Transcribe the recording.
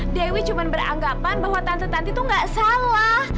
dewi cuma beranggapan bahwa tante tanti tuh gak salah